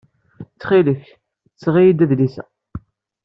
Ttxil-k, seɣ-iyi-d adlis-a.